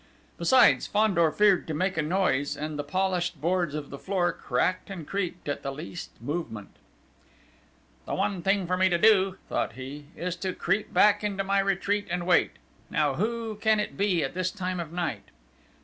Besides, Fandor feared to make a noise, and the polished boards of the floor cracked and creaked at the least movement! "The one thing for me to do," thought he, "is to creep back into my retreat and wait. Now who can it be at this time of night?"